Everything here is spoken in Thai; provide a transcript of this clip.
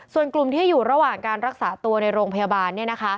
ส่วนกลุ่มที่อยู่ระหว่างการรักษาตัวในโรงพยาบาล